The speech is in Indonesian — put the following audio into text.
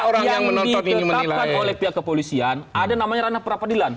orang yang menonton ini menilai oleh pihak kepolisian ada namanya ranah perapadilan